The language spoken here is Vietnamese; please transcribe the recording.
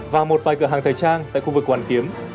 và một vài cửa hàng thời trang tại khu vực hoàn kiếm